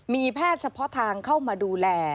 มีแพทย์เฉพาะทางเข้ามาดูแล